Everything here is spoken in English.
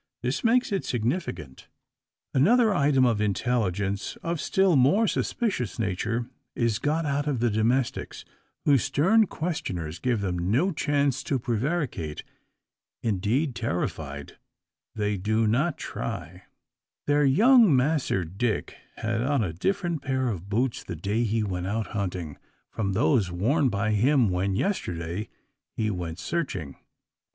This makes it significant. Another item of intelligence, of still more suspicious nature, is got out of the domestics, whose stern questioners give them no chance to prevaricate. Indeed, terrified, they do not try. Their young "Massr Dick" had on a different pair of boots the day he went out hunting, from those worn by him, when, yesterday, he went searching.